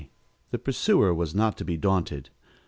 The pursuer was not to be daunted.